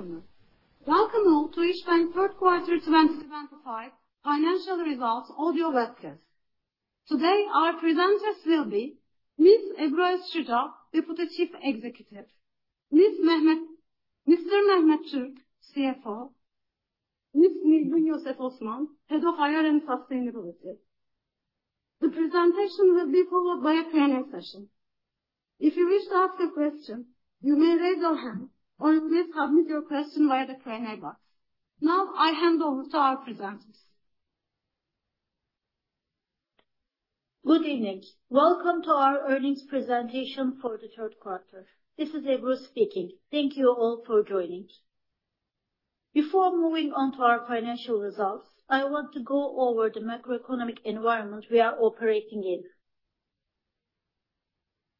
Ladies and gentlemen, welcome all to İş Bankası third quarter 2025 financial results audio webcast. Today our presenters will be Ms. Ebru Özşuca, Deputy Chief Executive, Mr. Mehmet Türk, CFO, Ms. Nilgün Yosef Osman, Head of IR and Sustainability. The presentation will be followed by a Q&A session. If you wish to ask a question, you may raise your hand or you may submit your question via the Q&A box. I hand over to our presenters. Good evening. Welcome to our earnings presentation for the third quarter. This is Ebru speaking. Thank you all for joining. Before moving on to our financial results, I want to go over the macroeconomic environment we are operating in.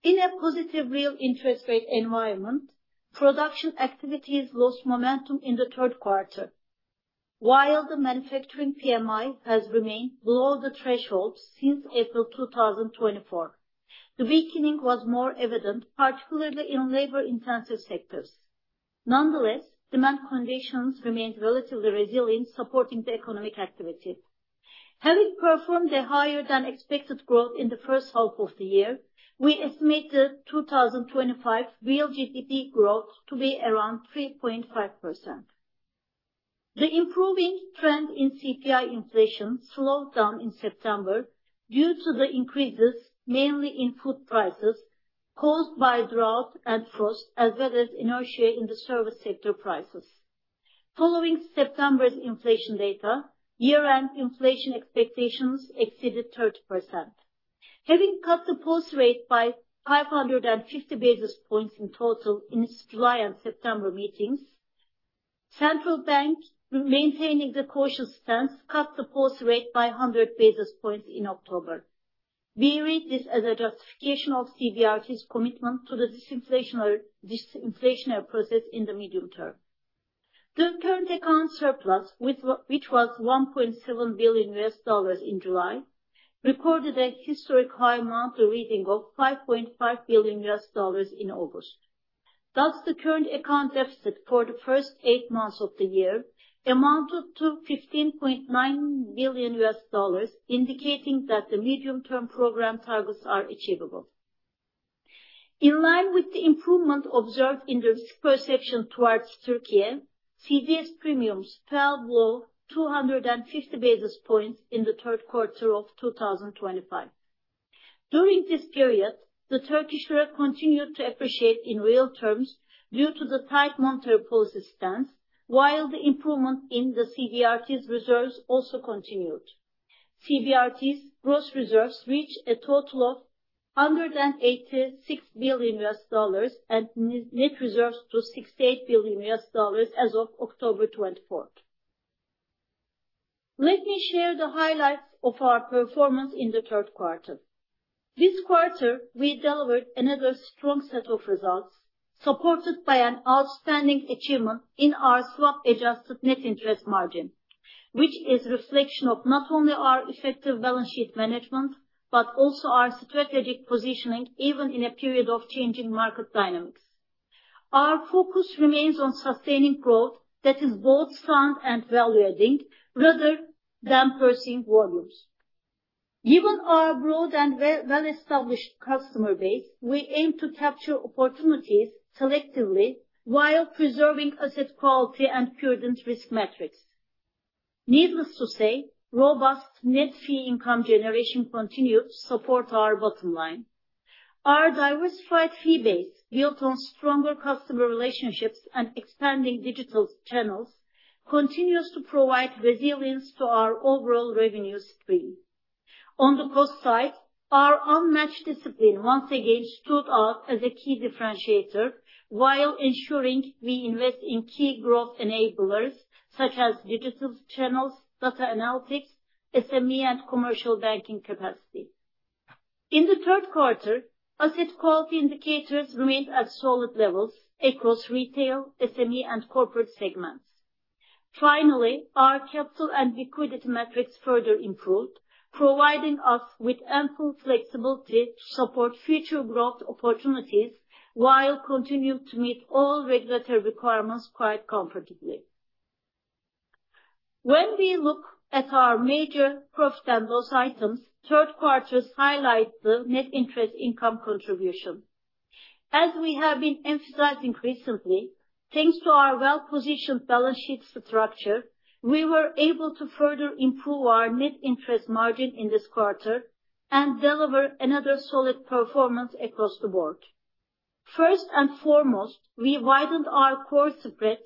In a positive real interest rate environment, production activities lost momentum in the third quarter, while the manufacturing PMI has remained below the thresholds since April 2024. The weakening was more evident, particularly in labor-intensive sectors. Demand conditions remained relatively resilient, supporting the economic activity. Having performed a higher-than-expected growth in the first half of the year, we estimate the 2025 real GDP growth to be around 3.5%. The improving trend in CPI inflation slowed down in September due to the increases, mainly in food prices caused by drought and frost, as well as inertia in the service sector prices. Following September's inflation data, year-end inflation expectations exceeded 30%. Having cut the policy rate by 550 basis points in total in its July and September meetings, the Central Bank, maintaining the cautious stance, cut the policy rate by 100 basis points in October. We read this as a justification of CBRT's commitment to the disinflationary process in the medium term. The current account surplus, which was $1.7 billion in July, recorded a historic high monthly reading of $5.5 billion in August. The current account deficit for the first eight months of the year amounted to $15.9 billion, indicating that the medium-term program targets are achievable. In line with the improvement observed in risk perception towards Türkiye, CDS premiums fell below 250 basis points in the third quarter of 2025. During this period, the Turkish lira continued to appreciate in real terms due to the tight monetary policy stance while the improvement in the CBRT's reserves also continued. CBRT's gross reserves reached a total of $186 billion and net reserves to $68 billion as of October 24th. Let me share the highlights of our performance in the third quarter. This quarter, we delivered another strong set of results, supported by an outstanding achievement in our swap-adjusted net interest margin, which is a reflection of not only our effective balance sheet management, but also our strategic positioning, even in a period of changing market dynamics. Our focus remains on sustaining growth that is both sound and value-adding rather than pursuing volumes. Given our broad and well-established customer base, we aim to capture opportunities selectively while preserving asset quality and prudent risk metrics. Needless to say, robust net fee income generation continues to support our bottom line. Our diversified fee base, built on stronger customer relationships and expanding digital channels, continues to provide resilience to our overall revenue stream. On the cost side, our unmatched discipline once again stood out as a key differentiator while ensuring we invest in key growth enablers such as digital channels, data analytics, SME, and commercial banking capacity. In the third quarter, asset quality indicators remained at solid levels across retail, SME, and corporate segments. Finally, our capital and liquidity metrics further improved, providing us with ample flexibility to support future growth opportunities while continuing to meet all regulatory requirements quite comfortably. When we look at our major profit and loss items, third quarters highlight the net interest income contribution. As we have been emphasizing recently, thanks to our well-positioned balance sheet structure, we were able to further improve our net interest margin in this quarter and deliver another solid performance across the board. First and foremost, we widened our core spreads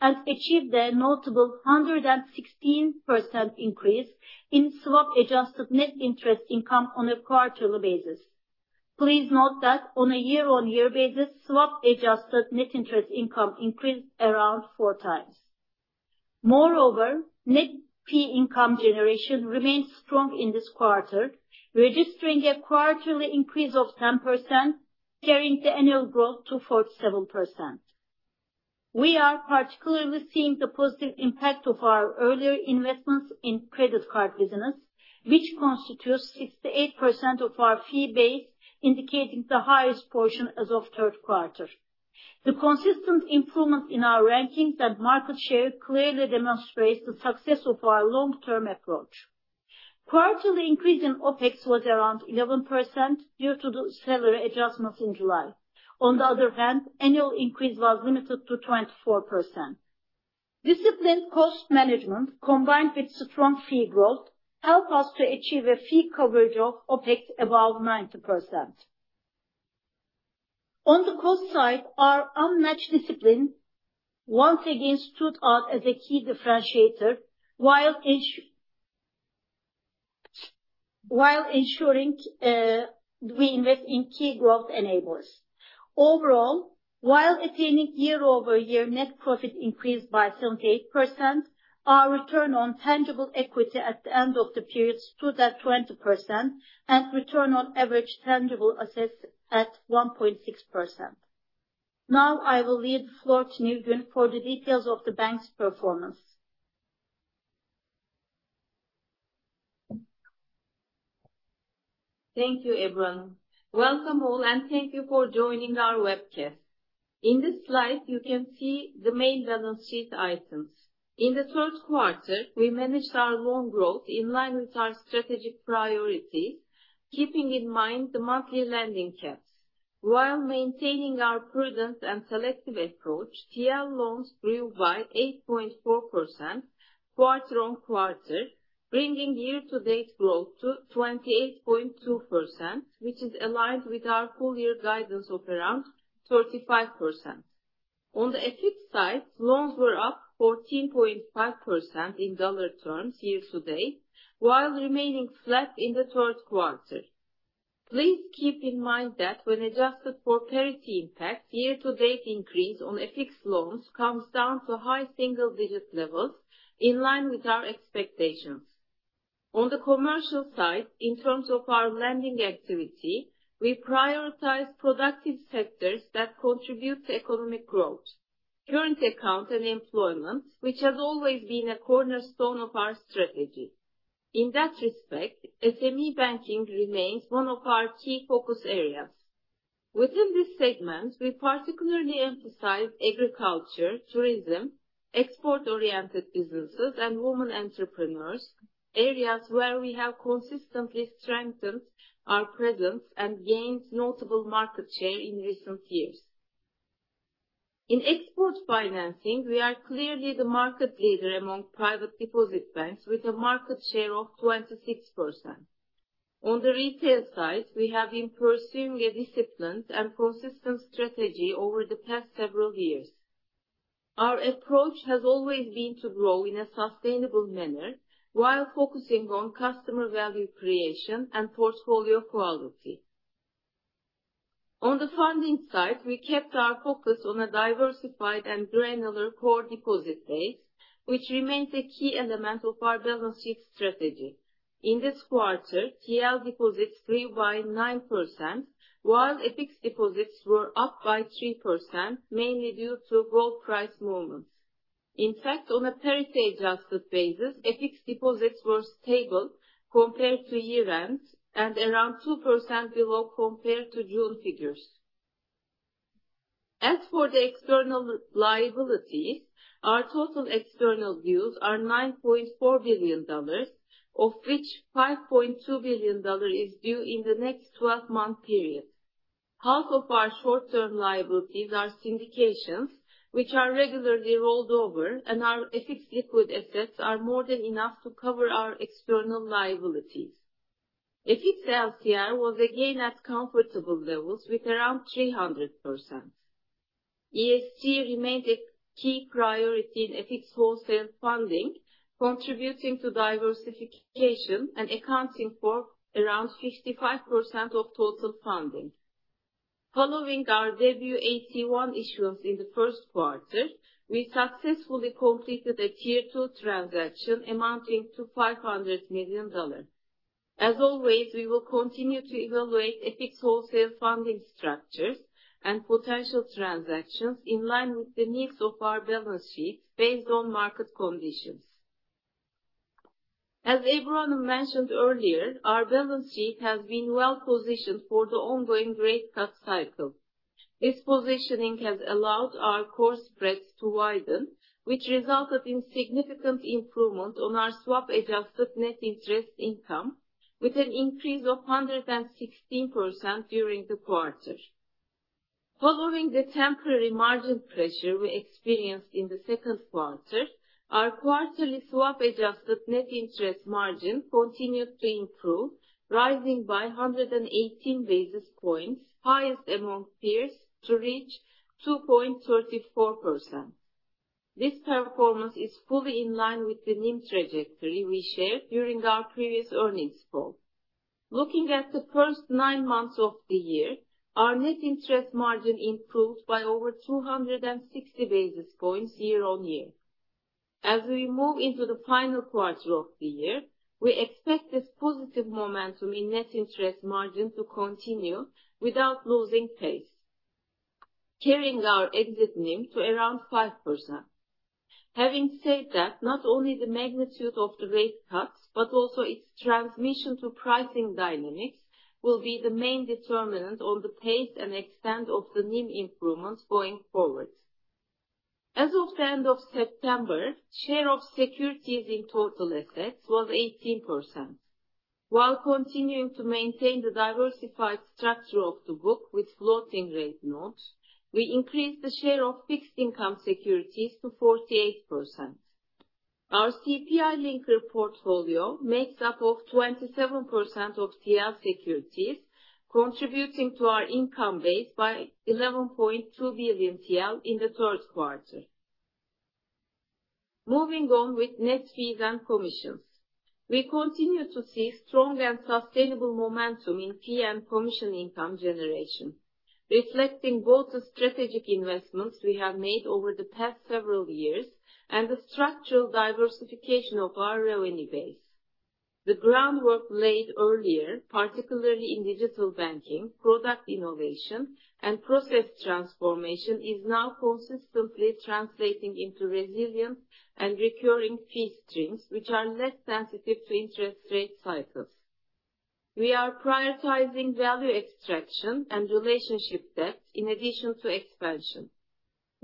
and achieved a notable 116% increase in swap-adjusted net interest income on a quarterly basis. Please note that on a year-on-year basis, swap-adjusted net interest income increased around four times. Moreover, net fee income generation remained strong in this quarter, registering a quarterly increase of 10%, carrying the annual growth to 47%. We are particularly seeing the positive impact of our earlier investments in credit card business, which constitutes 68% of our fee base, indicating the highest portion as of third quarter. The consistent improvement in our rankings and market share clearly demonstrates the success of our long-term approach. Quarterly increase in OpEx was around 11% due to the salary adjustments in July. On the other hand, annual increase was limited to 24%. Disciplined cost management, combined with strong fee growth, help us to achieve a fee coverage of OpEx above 90%. On the cost side, our unmatched discipline once again stood out as a key differentiator while ensuring we invest in key growth enablers. Overall, while attaining year-over-year net profit increase by 78%, our return on tangible equity at the end of the period stood at 20% and return on average tangible assets at 1.6%. Now I will leave the floor to Nilgün for the details of the bank's performance. Thank you, Ebru. Welcome all and thank you for joining our webcast. In this slide, you can see the main balance sheet items. In the third quarter, we managed our loan growth in line with our strategic priorities, keeping in mind the monthly lending caps. While maintaining our prudent and selective approach, TRY loans grew by 8.4% quarter-on-quarter, bringing year-to-date growth to 28.2%, which is aligned with our full-year guidance of around 35%. On the FX side, loans were up 14.5% in dollar terms year-to-date while remaining flat in the third quarter. Please keep in mind that when adjusted for parity impact, year-to-date increase on FX loans comes down to high single-digit levels in line with our expectations. On the commercial side, in terms of our lending activity, we prioritize productive sectors that contribute to economic growth, current account, and employment, which has always been a cornerstone of our strategy. In that respect, SME banking remains one of our key focus areas. Within this segment, we particularly emphasize agriculture, tourism, export-oriented businesses, and women entrepreneurs, areas where we have consistently strengthened our presence and gained notable market share in recent years. In export financing, we are clearly the market leader among private deposit banks with a market share of 26%. On the retail side, we have been pursuing a disciplined and consistent strategy over the past several years. Our approach has always been to grow in a sustainable manner while focusing on customer value creation and portfolio quality. On the funding side, we kept our focus on a diversified and granular core deposit base, which remains a key element of our balance sheet strategy. In this quarter, TL deposits grew by 9% while FX deposits were up by 3% mainly due to gold price movements. In fact, on a parity-adjusted basis, FX deposits were stable compared to year-end and around 2% below compared to June figures. As for the external liabilities, our total external dues are $9.4 billion, of which $5.2 billion is due in the next 12-month period. Half of our short-term liabilities are syndications, which are regularly rolled over, and our FX liquid assets are more than enough to cover our external liabilities. FX LCR was again at comfortable levels with around 300%. ESG remained a key priority in FX wholesale funding, contributing to diversification and accounting for around 65% of total funding. Following our debut AT1 issuance in the first quarter, we successfully completed a Tier 2 transaction amounting to $500 million. As always, we will continue to evaluate FX wholesale funding structures and potential transactions in line with the needs of our balance sheet based on market conditions. As Ebru mentioned earlier, our balance sheet has been well-positioned for the ongoing rate cut cycle. This positioning has allowed our core spreads to widen, which resulted in significant improvement on our swap-adjusted net interest income with an increase of 116% during the quarter. Following the temporary margin pressure we experienced in the second quarter, our quarterly swap-adjusted net interest margin continued to improve, rising by 118 basis points, highest among peers, to reach 2.34%. This performance is fully in line with the NIM trajectory we shared during our previous earnings call. Looking at the first nine months of the year, our net interest margin improved by over 260 basis points year-on-year. As we move into the final quarter of the year, we expect this positive momentum in net interest margin to continue without losing pace, carrying our exit NIM to around 5%. Having said that, not only the magnitude of the rate cuts, but also its transmission to pricing dynamics will be the main determinant on the pace and extent of the NIM improvements going forward. As of the end of September, share of securities in total assets was 18%. While continuing to maintain the diversified structure of the book with floating rate notes, we increased the share of fixed income securities to 48%. Our CPI linker portfolio makes up of 27% of TL securities, contributing to our income base by 11.2 billion TL in the third quarter. Moving on with net fees and commissions. We continue to see strong and sustainable momentum in fee and commission income generation, reflecting both the strategic investments we have made over the past several years and the structural diversification of our revenue base. The groundwork laid earlier, particularly in digital banking, product innovation, and process transformation, is now consistently translating into resilient and recurring fee streams, which are less sensitive to interest rate cycles. We are prioritizing value extraction and relationship depth in addition to expansion,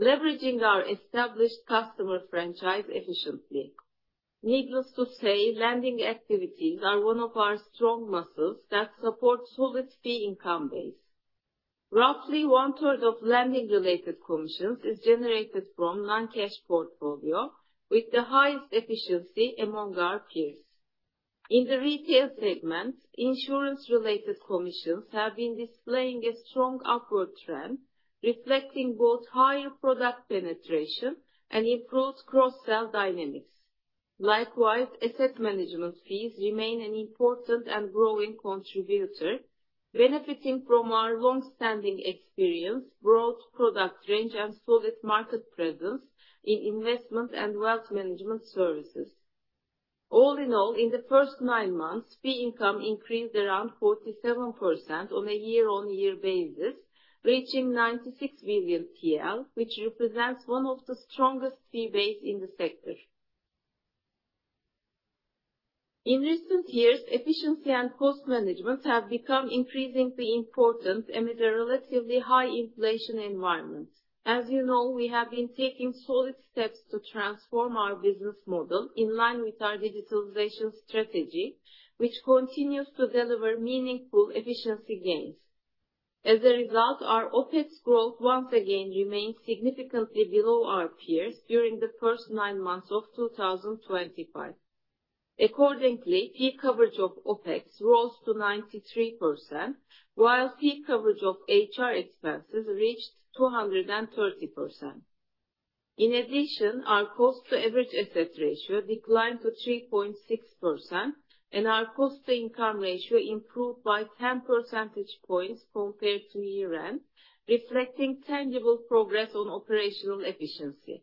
leveraging our established customer franchise efficiently. Needless to say, lending activities are one of our strong muscles that supports solid fee income base. Roughly one-third of lending-related commissions is generated from non-cash portfolio with the highest efficiency among our peers. In the retail segment, insurance-related commissions have been displaying a strong upward trend, reflecting both higher product penetration and improved cross-sell dynamics. Likewise, asset management fees remain an important and growing contributor, benefiting from our long-standing experience, broad product range, and solid market presence in investment and wealth management services. All in all, in the first nine months, fee income increased around 47% on a year-on-year basis, reaching 96 million TL, which represents one of the strongest fee base in the sector. In recent years, efficiency and cost management have become increasingly important amid a relatively high inflation environment. As you know, we have been taking solid steps to transform our business model in line with our digitalization strategy, which continues to deliver meaningful efficiency gains. As a result, our OpEx growth once again remained significantly below our peers during the first nine months of 2025. Accordingly, fee coverage of OpEx rose to 93%, while fee coverage of HR expenses reached 230%. In addition, our cost-to-average asset ratio declined to 3.6%, and our cost-to-income ratio improved by 10 percentage points compared to year-end, reflecting tangible progress on operational efficiency.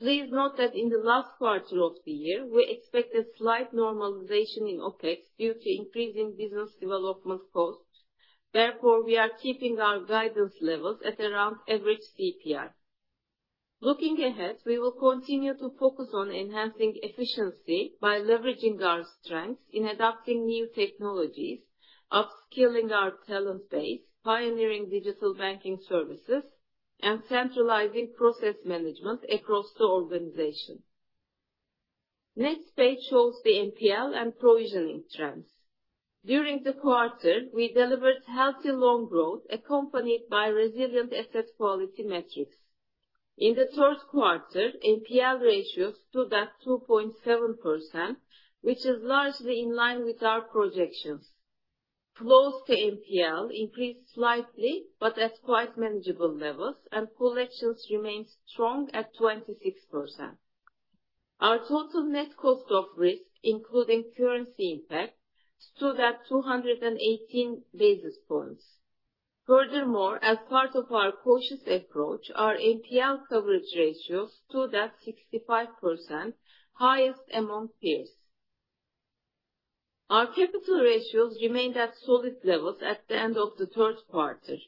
Please note that in the last quarter of the year, we expect a slight normalization in OpEx due to increasing business development costs. Therefore, we are keeping our guidance levels at around average CPI. Looking ahead, we will continue to focus on enhancing efficiency by leveraging our strengths in adopting new technologies, upskilling our talent base, pioneering digital banking services, and centralizing process management across the organization. Next page shows the NPL and provisioning trends. During the quarter, we delivered healthy loan growth accompanied by resilient asset quality metrics. In the third quarter, NPL ratios stood at 2.7%, which is largely in line with our projections. Close to NPL increased slightly, but at quite manageable levels, and collections remain strong at 26%. Our total net cost of risk, including currency impact, stood at 218 basis points. Furthermore, as part of our cautious approach, our NPL coverage ratio stood at 65%, highest among peers. Our capital ratios remained at solid levels at the end of the third quarter.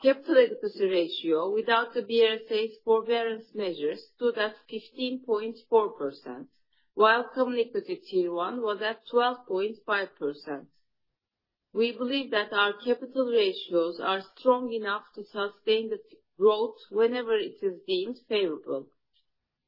Capital adequacy ratio without the BRSA's forbearance measures stood at 15.4%, while Common Equity Tier 1 was at 12.5%. We believe that our capital ratios are strong enough to sustain the growth whenever it is deemed favorable.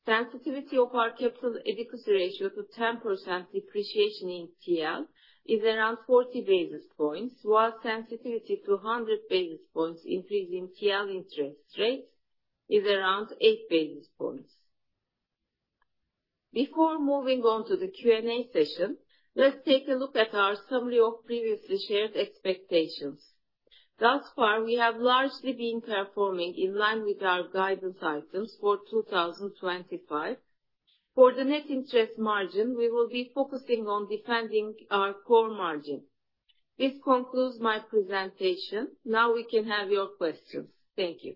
Sensitivity of our capital adequacy ratio to 10% depreciation in TL is around 40 basis points, while sensitivity to 100 basis points increase in TL interest rates is around eight basis points. Before moving on to the Q&A session, let's take a look at our summary of previously shared expectations. Thus far, we have largely been performing in line with our guidance items for 2025. For the net interest margin, we will be focusing on defending our core margin. This concludes my presentation. Now we can have your questions. Thank you.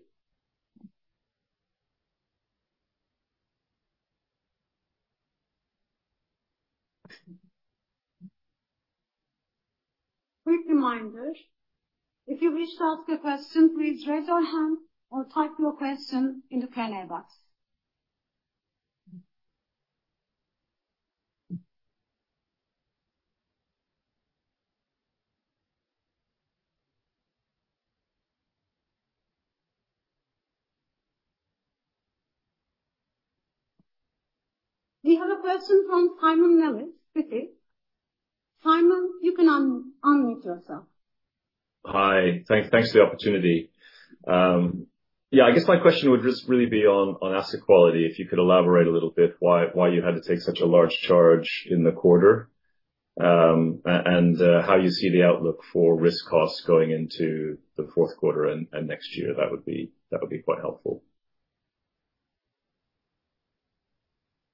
Quick reminder. If you wish to ask a question, please raise your hand or type your question in the Q&A box. We have a question from Simon Lewis with you. Simon, you can unmute yourself. Hi. Thanks for the opportunity. I guess my question would just really be on asset quality, if you could elaborate a little bit why you had to take such a large charge in the quarter, and how you see the outlook for risk costs going into the fourth quarter and next year, that would be quite helpful.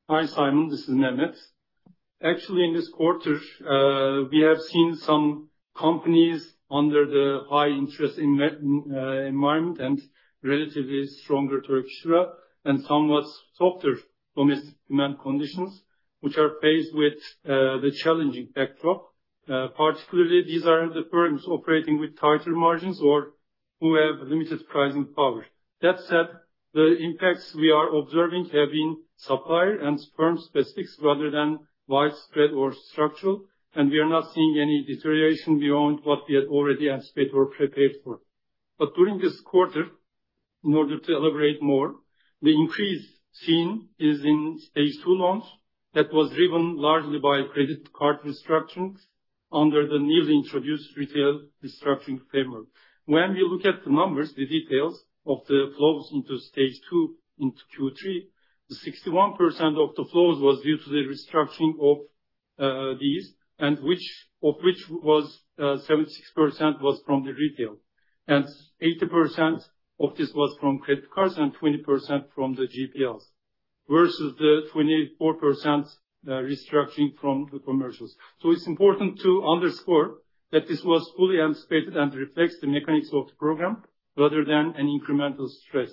Hi, Simon. This is Mehmet. Actually, in this quarter, we have seen some companies under the high interest environment and relatively stronger Turkish lira, and somewhat softer domestic demand conditions, which are faced with the challenging backdrop. Particularly, these are the firms operating with tighter margins or who have limited pricing power. That said, the impacts we are observing have been supplier and firm-specific rather than widespread or structural, and we are not seeing any deterioration beyond what we had already anticipated or prepared for. During this quarter, in order to elaborate more, the increase seen is in stage 2 loans that was driven largely by credit card restructurings under the newly introduced retail restructuring framework. When we look at the numbers, the details of the flows into stage 2 into Q3, the 61% of the flows was due to the restructuring of these, of which 76% was from the retail. 80% of this was from credit cards and 20% from the GPLs, versus the 24% restructuring from the commercials. It's important to underscore that this was fully anticipated and reflects the mechanics of the program rather than an incremental stress.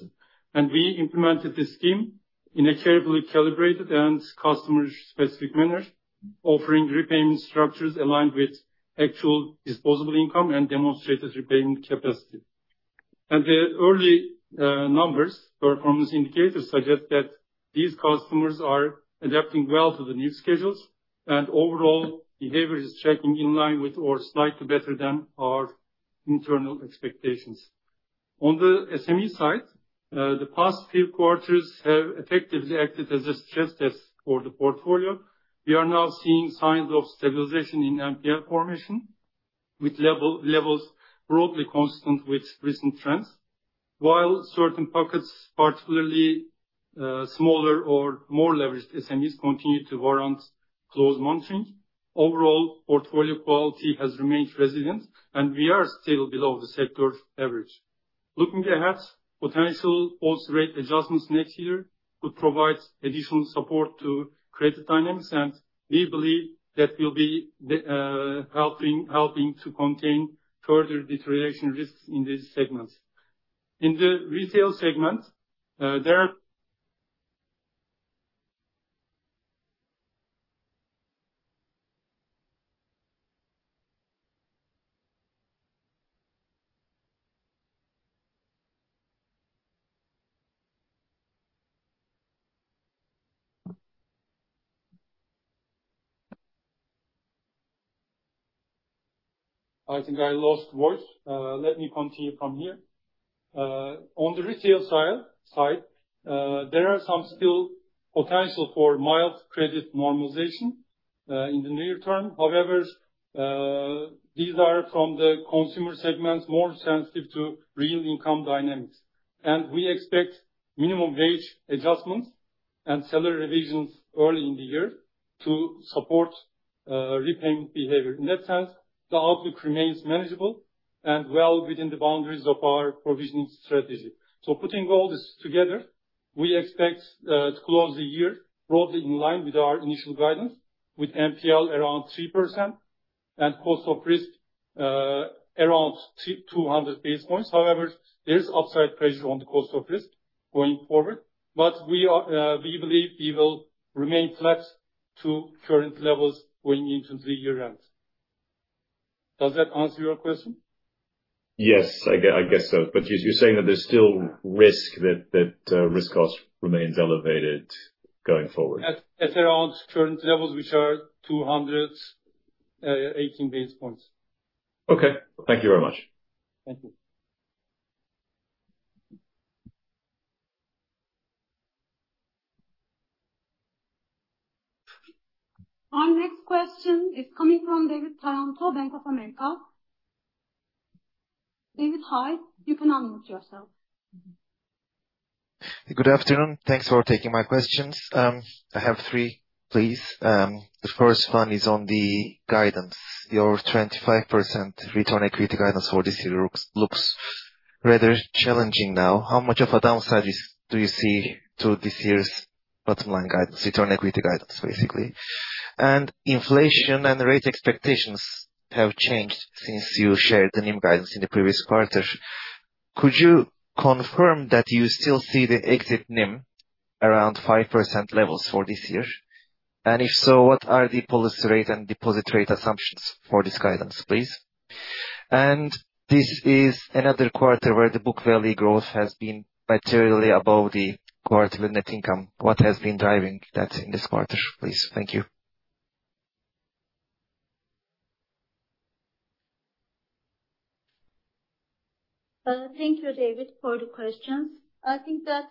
We implemented this scheme in a carefully calibrated and customer-specific manner, offering repayment structures aligned with actual disposable income and demonstrated repayment capacity. The early numbers, performance indicators, suggest that these customers are adapting well to the new schedules, and overall behavior is tracking in line with or slightly better than our internal expectations. On the SME side, the past few quarters have effectively acted as a stress test for the portfolio. We are now seeing signs of stabilization in NPL formation, with levels broadly constant with recent trends. While certain pockets, particularly smaller or more leveraged SMEs, continue to warrant close monitoring, overall portfolio quality has remained resilient, we are still below the sector average. Looking ahead, potential policy rate adjustments next year could provide additional support to credit dynamics, we believe that will be helping to contain further deterioration risks in these segments. In the retail segment, there I think I lost voice. Let me continue from here. On the retail side, there are some still potential for mild credit normalization in the near term. However, these are from the consumer segments more sensitive to real income dynamics. We expect minimum wage adjustments and salary revisions early in the year to support repayment behavior. In that sense, the outlook remains manageable and well within the boundaries of our provisioning strategy. Putting all this together, we expect to close the year broadly in line with our initial guidance, with NPL around 3% and cost of risk around 200 basis points. However, there's upside pressure on the cost of risk going forward. We believe we will remain flat to current levels going into the year-end. Does that answer your question? Yes, I guess so. You're saying that there's still risk that, risk cost remains elevated going forward. At around current levels, which are 218 basis points. Okay. Thank you very much. Thank you. Our next question is coming from David Taranto, Bank of America. David, hi. You can unmute yourself. Good afternoon. Thanks for taking my questions. I have three, please. The first one is on the guidance. Your 25% return equity guidance for this year looks rather challenging now. How much of a downside do you see to this year's bottom line guidance, return equity guidance, basically? Inflation and rate expectations have changed since you shared the NIM guidance in the previous quarter. Could you confirm that you still see the exit NIM around 5% levels for this year? If so, what are the policy rate and deposit rate assumptions for this guidance, please? This is another quarter where the book value growth has been materially above the quarterly net income. What has been driving that in this quarter, please? Thank you. Thank you, David, for the questions. I think that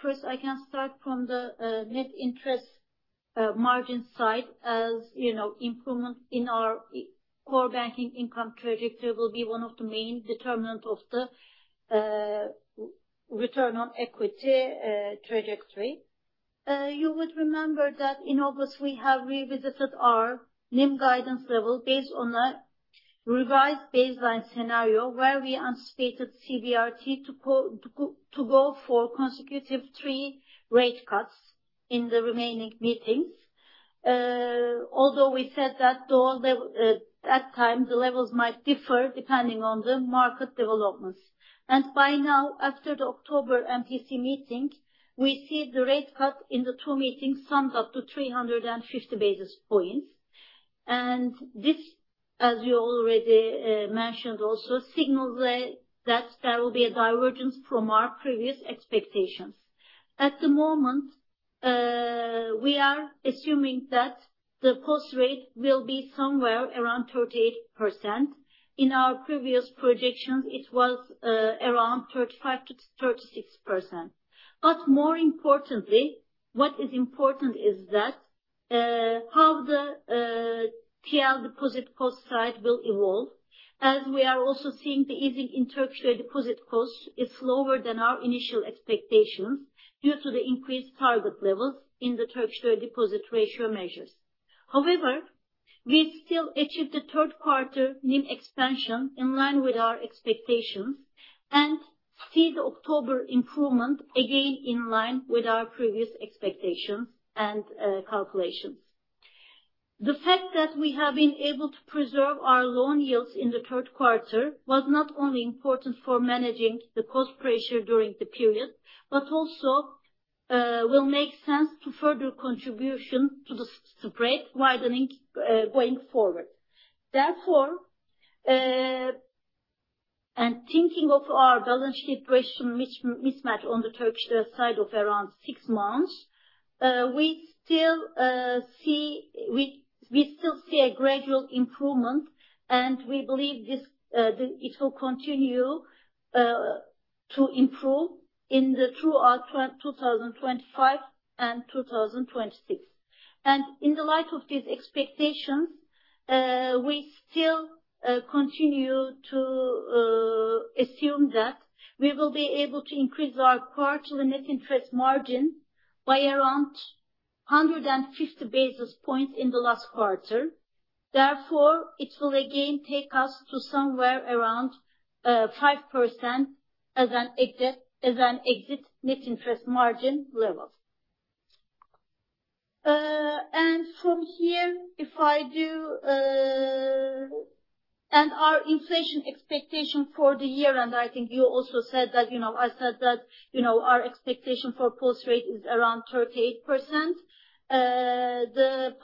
first I can start from the net interest margin side. As you know, improvement in our core banking income trajectory will be one of the main determinants of the return on equity trajectory. You would remember that in August we have revisited our NIM guidance level based on a revised baseline scenario where we anticipated CBRT to go for consecutive three rate cuts in the remaining meetings. Although we said that at that time, the levels might differ depending on the market developments. By now, after the October MPC meeting, we see the rate cut in the two meetings summed up to 350 basis points. This, as you already mentioned also, signals that there will be a divergence from our previous expectations. At the moment, we are assuming that the cost rate will be somewhere around 38%. In our previous projections, it was around 35%-36%. More importantly, what is important is that how the TL deposit cost side will evolve, as we are also seeing the easing in Turkish lira deposit costs is lower than our initial expectations due to the increased target levels in the Turkish lira deposit ratio measures. However, we still achieved a third quarter NIM expansion in line with our expectations and see the October improvement again in line with our previous expectations and calculations. The fact that we have been able to preserve our loan yields in the third quarter was not only important for managing the cost pressure during the period but also will make sense to further contribution to the spread widening going forward. Therefore, thinking of our balance sheet duration mismatch on the Turkish lira side of around six months, we still see a gradual improvement, and we believe it will continue to improve throughout 2025 and 2026. In the light of these expectations, we still continue to assume that we will be able to increase our quarterly net interest margin by around 150 basis points in the last quarter. Therefore, it will again take us to somewhere around 5% as an exit net interest margin level. From here, our inflation expectation for the year, and I think you also said that, I said that our expectation for post rate is around 38%. The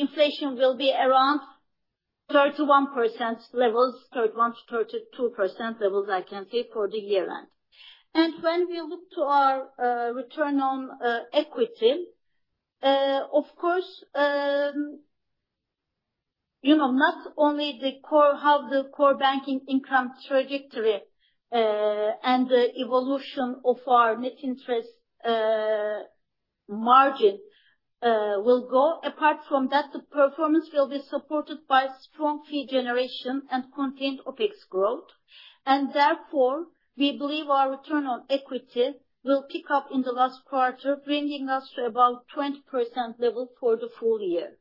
inflation will be around 31% levels, 31%-32% levels, I can say, for the year end. When we look to our return on equity, of course, not only how the core banking income trajectory, and the evolution of our net interest margin will go. Apart from that, the performance will be supported by strong fee generation and contained OpEx growth. Therefore, we believe our return on equity will pick up in the last quarter, bringing us to about 20% level for the full year.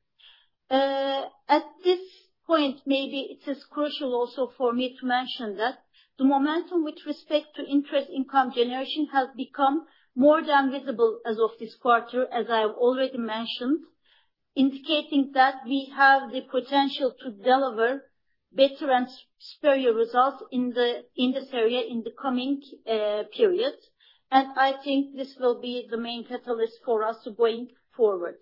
At this point, maybe it is crucial also for me to mention that the momentum with respect to interest income generation has become more than visible as of this quarter, as I've already mentioned, indicating that we have the potential to deliver better and superior results in this area in the coming periods. I think this will be the main catalyst for us going forward.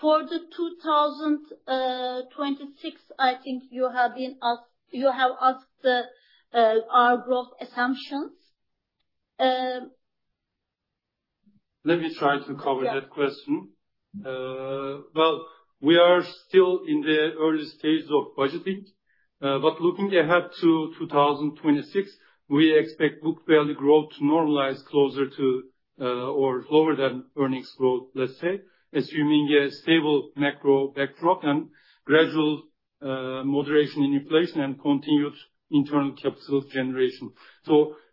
For the 2026, I think you have asked our growth assumptions. Let me try to cover that question. Yeah. Well, we are still in the early stages of budgeting. Looking ahead to 2026, we expect book value growth to normalize closer to or lower than earnings growth, let's say, assuming a stable macro backdrop and gradual moderation in inflation and continued internal capital generation.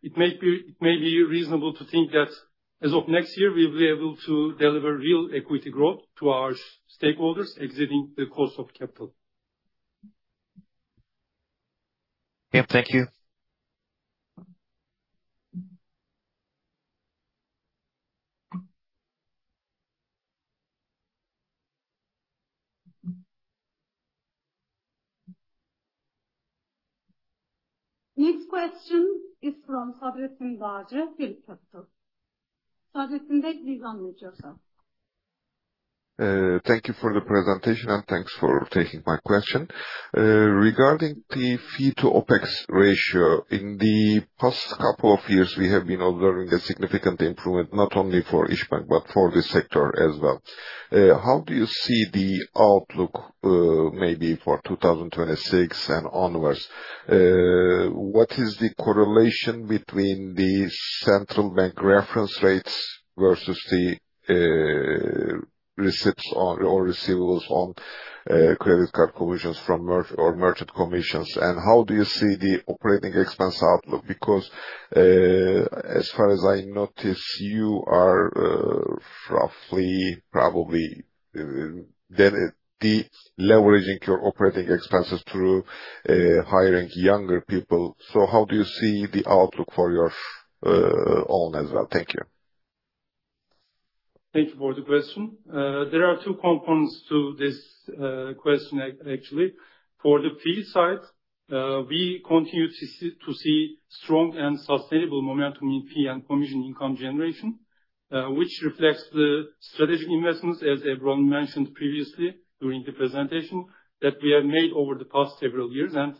It may be reasonable to think that as of next year, we'll be able to deliver real equity growth to our stakeholders exceeding the cost of capital. Yep, thank you. Next question is from Sabri Sinbaz, PhillipCapital. Sabri Sinbaz, please unmute yourself. Thank you for the presentation, and thanks for taking my question. Regarding the fee to OpEx ratio, in the past couple of years, we have been observing a significant improvement, not only for İş Bankası but for this sector as well. How do you see the outlook, maybe for 2026 and onwards? What is the correlation between the Central Bank reference rates versus the receipts or receivables on credit card commissions or merchant commissions, and how do you see the OpEx outlook? Because as far as I notice, you are roughly probably de-leveraging your OpEx through hiring younger people. How do you see the outlook for your own as well? Thank you. Thank you for the question. There are two components to this question actually. For the fee side, we continue to see strong and sustainable momentum in fee and commission income generation, which reflects the strategic investments, as everyone mentioned previously during the presentation, that we have made over the past several years, and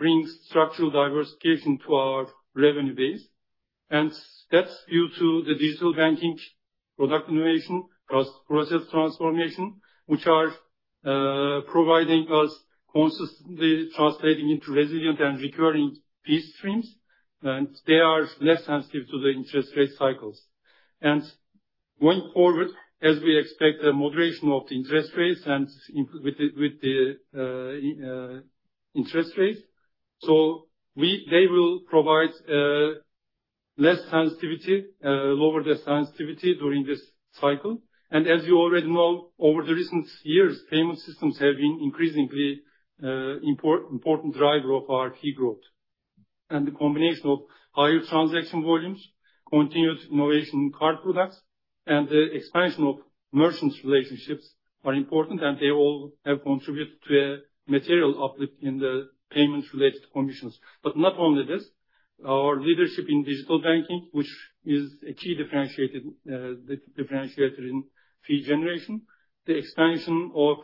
brings structural diversification to our revenue base. That's due to the digital banking product innovation, process transformation, which are providing us consistently translating into resilient and recurring fee streams. They are less sensitive to the interest rate cycles. Going forward, as we expect a moderation of the interest rates and with the interest rates. They will provide less sensitivity, lower the sensitivity during this cycle. As you already know, over the recent years, payment systems have been an increasingly important driver of our fee growth. The combination of higher transaction volumes, continued innovation in card products, and the expansion of merchants relationships are important, and they all have contributed to a material uplift in the payments-related commissions. Not only this, our leadership in digital banking, which is a key differentiator in fee generation, the expansion of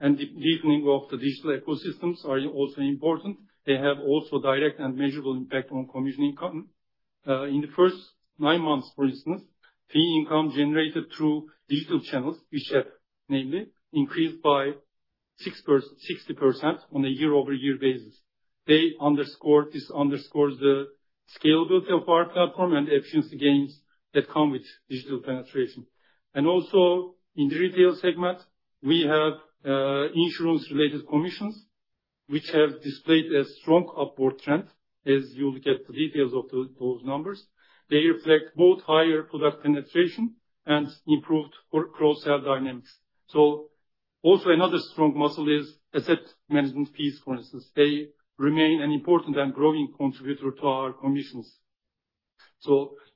and deepening of the digital ecosystems are also important. They have also direct and measurable impact on commission income. In the first nine months, for instance, fee income generated through digital channels, İşCep, namely, increased by 60% on a year-over-year basis. This underscores the scalability of our platform and efficiency gains that come with digital penetration. Also, in the retail segment, we have insurance-related commissions, which have displayed a strong upward trend, as you'll get the details of those numbers. They reflect both higher product penetration and improved cross-sell dynamics. Also another strong muscle is asset management fees, for instance. They remain an important and growing contributor to our commissions.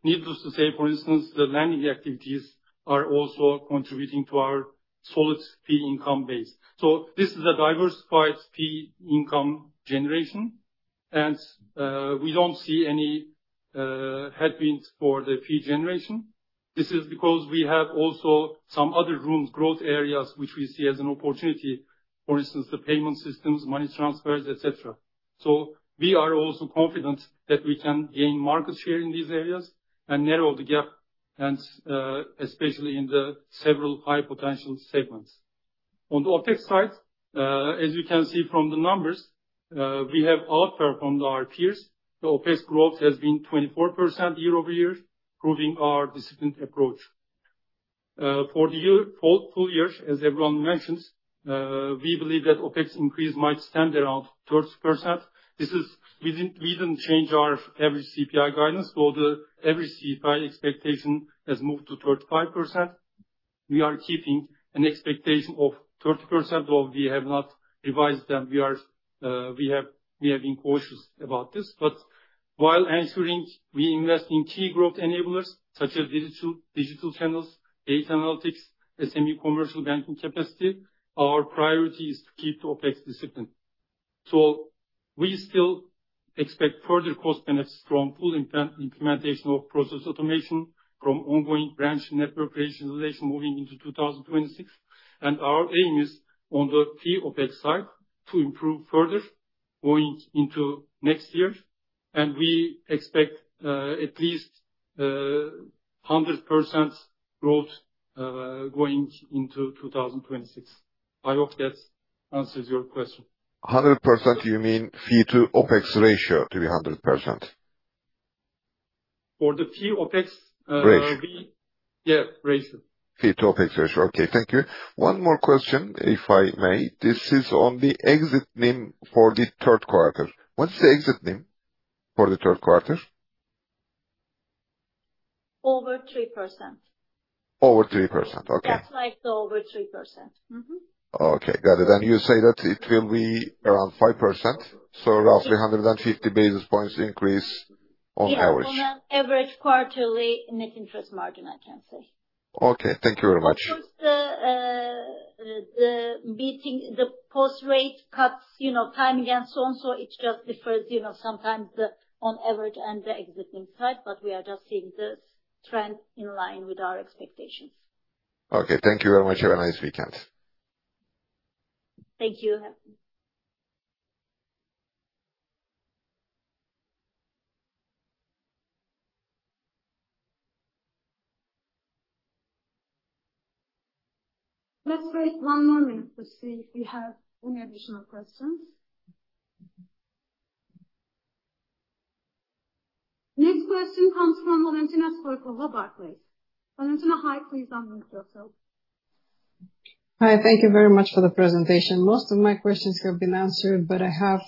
Needless to say, for instance, the lending activities are also contributing to our solid fee income base. This is a diversified fee income generation, and we don't see any headwinds for the fee generation. This is because we have also some other growth areas which we see as an opportunity. For instance, the payment systems, money transfers, et cetera. We are also confident that we can gain market share in these areas and narrow the gap, and especially in the several high-potential segments. On the OpEx side, as you can see from the numbers, we have outperformed our peers. The OpEx growth has been 24% year-over-year, proving our disciplined approach. For the full year, as everyone mentions, we believe that OpEx increase might stand around 30%. We didn't change our average CPI guidance. The average CPI expectation has moved to 35%. We are keeping an expectation of 30%, although we have not revised them. We have been cautious about this. While ensuring we invest in key growth enablers such as digital channels, data analytics, SME commercial banking capacity, our priority is to keep the OpEx discipline. We still expect further cost benefits from full implementation of process automation from ongoing branch network rationalization moving into 2026. Our aim is on the fee OpEx side to improve further going into next year. We expect at least 100% growth going into 2026. I hope that answers your question. 100%, you mean fee to OpEx ratio to be 100%? For the fee OpEx Ratio. Yeah, ratio. Fee to OpEx ratio. Okay, thank you. One more question, if I may. This is on the exit NIM for the third quarter. What's the exit NIM for the third quarter? Over 3%. Over 3%, okay. That's right, over 3%. Mm-hmm. Okay, got it. You say that it will be around 5%, so roughly 150 basis points increase Yeah. On an average quarterly net interest margin, I can say. Okay. Thank you very much. Of course, the beating the post rate cuts, timing and so on, so it just differs sometimes on average and the existing side, we are just seeing this trend in line with our expectations. Okay. Thank you very much, have a nice weekend. Thank you. Let's wait one more minute to see if we have any additional questions. Next question comes from Valentina Stoykova, Barclays. Valentina, hi. Please unmute yourself. Hi. Thank you very much for the presentation. Most of my questions have been answered, but I have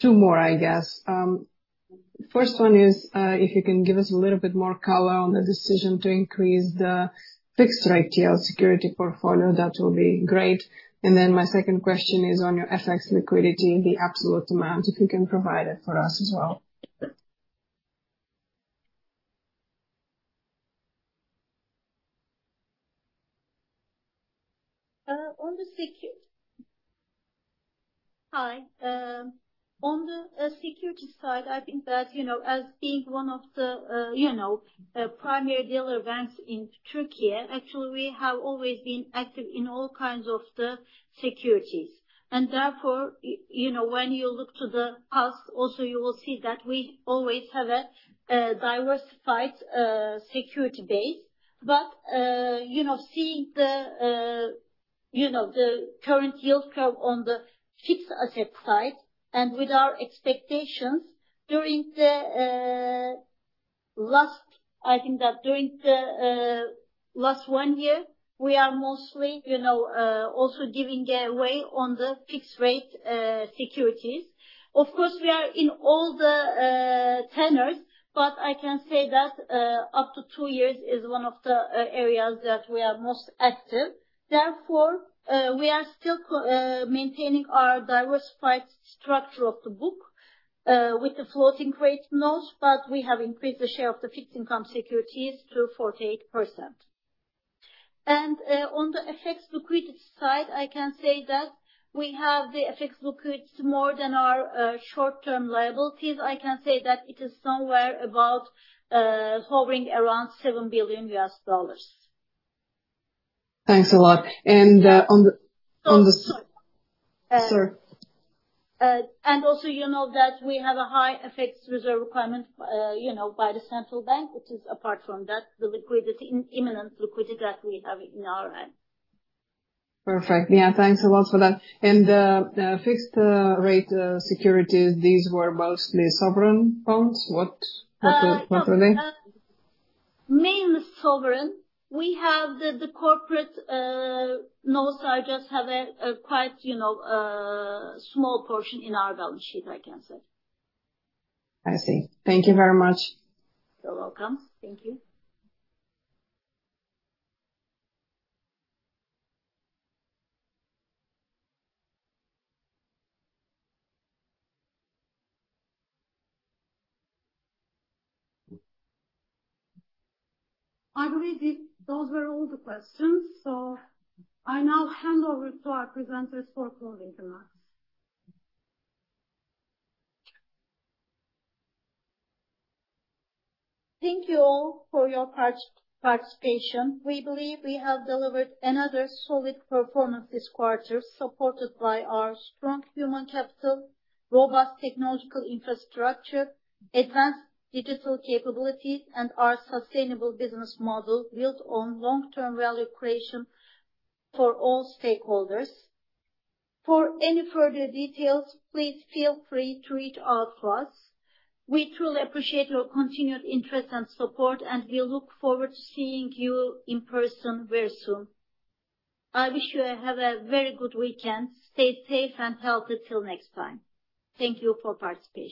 two more, I guess. First one is, if you can give us a little bit more color on the decision to increase the fixed-rate TL security portfolio, that will be great. My second question is on your FX liquidity, the absolute amount, if you can provide it for us as well. On the security side, I think that as being one of the primary dealer banks in Türkiye, actually, we have always been active in all kinds of the securities. Therefore, when you look to the past, also you will see that we always have a diversified security base. Seeing the current yield curve on the fixed asset side and with our expectations during the last one year, we are mostly also giving away on the fixed-rate securities. Of course, we are in all the tenors, but I can say that up to two years is one of the areas that we are most active. Therefore, we are still maintaining our diversified structure of the book with the floating rate notes, but we have increased the share of the fixed income securities to 48%. On the FX liquidity side, I can say that we have the FX liquids more than our short-term liabilities. I can say that it is somewhere about hovering around $7 billion. Thanks a lot. Sorry. Sorry. Also, you know that we have a high FX reserve requirement by the Central Bank, which is apart from that, the imminent liquidity that we have in our end. Perfect. Yeah, thanks a lot for that. The fixed-rate securities, these were mostly sovereign bonds. What were they? Mainly sovereign. We have the corporate notes just have a quite small portion in our balance sheet, I can say. I see. Thank you very much. You're welcome. Thank you. I believe those were all the questions. I now hand over to our presenters for closing remarks. Thank you all for your participation. We believe we have delivered another solid performance this quarter, supported by our strong human capital, robust technological infrastructure, advanced digital capabilities, and our sustainable business model built on long-term value creation for all stakeholders. For any further details, please feel free to reach out to us. We truly appreciate your continued interest and support. We look forward to seeing you in person very soon. I wish you have a very good weekend. Stay safe and healthy till next time. Thank you for participation.